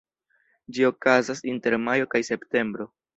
Ĝi okazas inter majo kaj septembro.